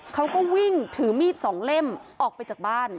เขาก็วิ่งถือมีดสองเล่มออกไปจากบ้าน